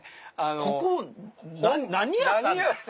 ここ何屋さん？